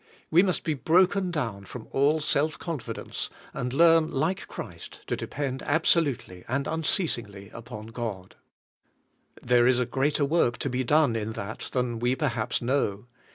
We must be broken down from all self confidence and learn like Christ CHRIST OUR LIFE 77 to depend absolutely and unceasingly upon God. There is a greater work to be done in that than we perhaps know.